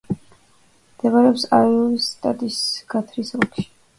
მდებარეობს აიოვის შტატის გათრის ოლქში.